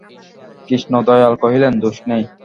কৃষ্ণদয়াল কহিলেন, দোষ নেই!